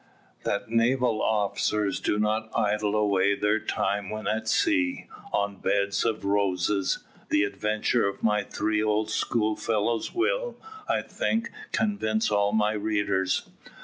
That naval officers do not idle away their time when at sea, on beds of roses, the adventures of my three old schoolfellows will, I think, convince all my readers.